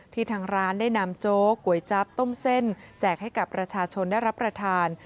ทางร้านได้นำโจ๊กก๋วยจั๊บต้มเส้นแจกให้กับประชาชนได้รับประทาน